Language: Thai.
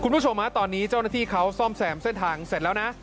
คุณผู้ชมฮะตอนนี้เจ้าหน้าที่เขาซ่อมแซมเส้นทางเสร็จแล้วนะ